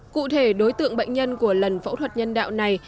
cụ thể đối tượng bệnh nhân của lần phẫu thuật nhân đạo này